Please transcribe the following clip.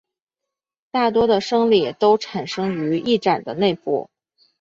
大多的升力都产生于翼展的内部。